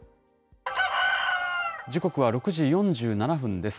時刻は６時４７分です。